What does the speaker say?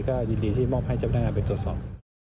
คือจริงที่มอบให้เจ้าพลังการไปตรวจสอบ